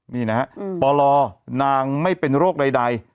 นี่นะฮะปลนางไม่เป็นโรคใด